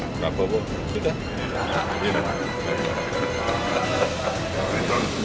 hai saya sombong saya berkata punya